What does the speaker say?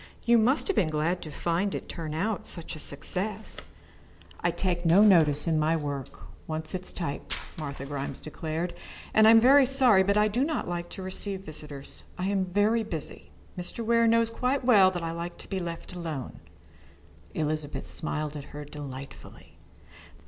You must have been glad to find it turn out such a success." "I take no interest in my work when once it is typed," Martha Grimes declared, "and I am very sorry but I do not like to receive visitors. I am very busy. Mr. Ware knows quite well that I like to be left alone." Elizabeth smiled at her delightfully.